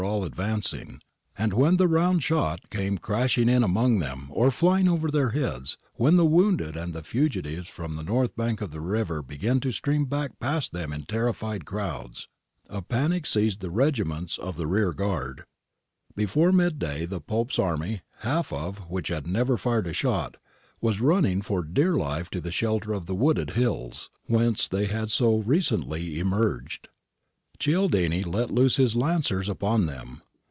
ROUT OF THE PAPAL CRUSADERS 223 advancing, and when the round shot came crashing in among them or flying over their heads, when the wounded and the fugitives from the north bank of the river began to stream back past them in terrified crowds, a panic seized the regiments of the rear guard. Before midday the Pope's army, half of which had never fired a shot, was running for dear hfe to the shelter of the wooded hills, whence they had so recently emerged. Cialdini let loose his lancers upon them.